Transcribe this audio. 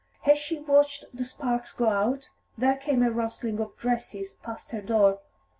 As she watched the sparks go out, there came a rustling of dresses past her door.